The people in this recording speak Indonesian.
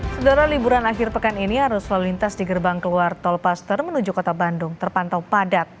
setelah liburan akhir pekan ini arus lalu lintas di gerbang keluar tol paster menuju kota bandung terpantau padat